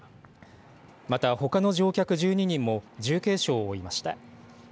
またほかの乗客１２人も重軽傷を負いました。